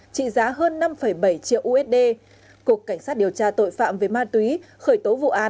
trị giá hơn năm bảy triệu usd cục cảnh sát điều tra tội phạm về ma túy khởi tố vụ án